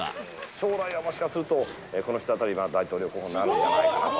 将来はもしかすると、この人あたりが大統領候補になるんじゃないかなと。